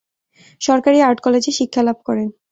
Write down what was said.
সরকারি আর্ট কলেজে শিক্ষা লাভ করেন।